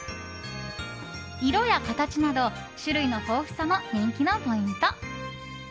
色や形など種類の豊富さも人気のポイント。